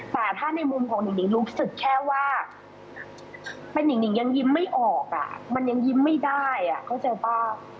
แต่ถ้าในมุมของหนิ่งรู้สึกแค่ว่าเป็นนิ่งยังยิ้มไม่ออกอ่ะมันยังยิ้มไม่ได้เข้าใจป่ะ